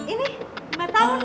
ini lima tahun